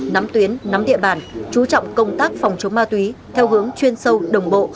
nắm tuyến nắm địa bàn chú trọng công tác phòng chống ma túy theo hướng chuyên sâu đồng bộ